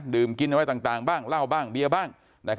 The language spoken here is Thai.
ดื่มกินอะไรต่างบ้างเหล้าบ้างเบียร์บ้าง